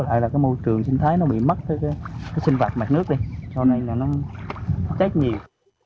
hay là cái môi trường sinh thái nó bị mất cái sinh vật mặt nước đi cho nên là nó chết nhiều